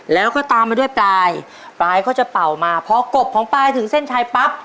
แล้วก็ตามมาด้วยปลายปลายก็จะเป่ามาพอกบของปลายถึงเส้นชัยปั๊บ